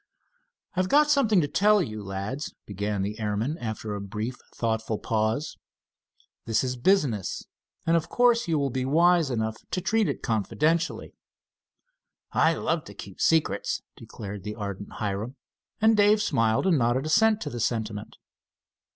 "I've got something to tell you, lads," began the airman, after a brief thoughtful pause. "This is business, and of course you will be wise enough to treat it confidentially." "I love to keep secrets," declared the ardent Hiram, and Dave smiled and nodded assent to the sentiment.